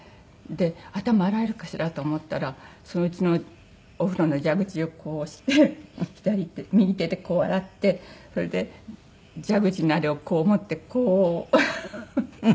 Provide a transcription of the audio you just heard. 頭洗えるかしらと思ったらうちのお風呂の蛇口をこうして右手でこう洗ってそれで蛇口のあれをこう持ってこうして。